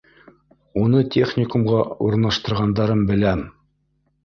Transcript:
Уны техникумға урынлаштырғандарын беләм.